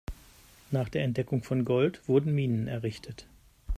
Nach der Entdeckung von Gold wurden Minen errichtet.